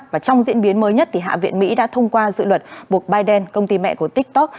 và trong diễn biến mới nhất hạ viện mỹ đã thông qua dự luật buộc biden công ty mẹ của tiktok